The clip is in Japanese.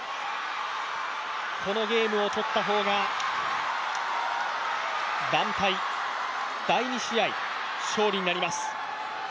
このゲームを取った方が団体第２試合勝利になります。